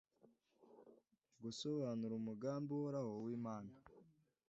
mu gusobanura umugambi uhoraho w’Imana,